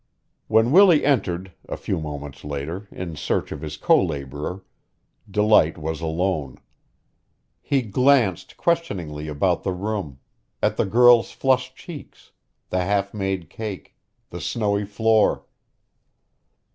When Willie entered a few moments later in search of his co laborer, Delight was alone. He glanced questioningly about the room, at the girl's flushed cheeks, the half made cake, the snowy floor.